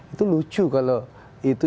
itu lucu kalau itu